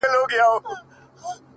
له هغه وخته مو خوښي ليدلې غم نه راځي”